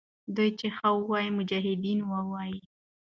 دوی چې ښه وایي، مجاهدین وو.